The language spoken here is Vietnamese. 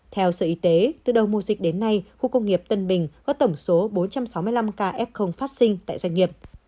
theo sở y tế từ đầu mùa dịch đến nay khu công nghiệp tân bình có tổng số bốn trăm sáu mươi năm ca f phát sinh tại doanh nghiệp